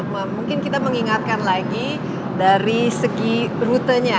nah mungkin kita mengingatkan lagi dari segi routenya